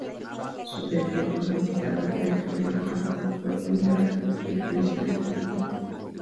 Su debut como jugador del Tottenham fue contra el Wisła Kraków.